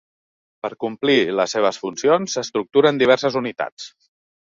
Per complir les seves funcions s'estructura en diverses unitats.